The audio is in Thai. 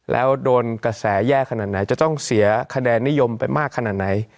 แล้วโดนกระแสแย่ขนาดไหนจะต้องเสียคะแนนนิยมไปมากขนาดไหน